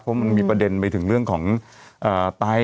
เพราะมันมีประเด็นไปถึงเรื่องของตาย